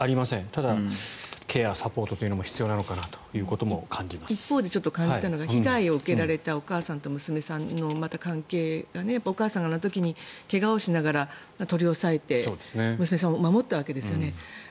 ただケア、サポートも必要かと一方で感じたのは被害を受けられたお母さんと娘さんの関係がお母さんがあの時に怪我をしながら取り押さえて娘さんを守ったわけですよね。